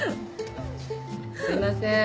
すいません。